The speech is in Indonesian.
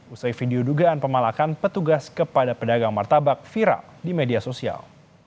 usai video dugaan pemalakan petugas kepada pedagang martabak viral di media sosial